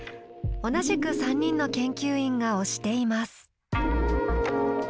同じく３人の研究員が推しています。